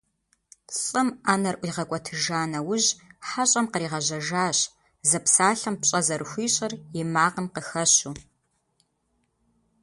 Лӏым Ӏэнэр ӀуигъэкӀуэтыжа нэужь хьэщӏэм къригъэжьащ, зэпсалъэм пщӀэ зэрыхуищӀыр и макъым къыхэщу.